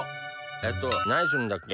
えっとなにするんだっけ？